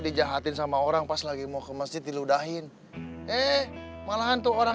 dijahatin sama orang pas lagi mau ke masjid diludahin eh malahan tuh orang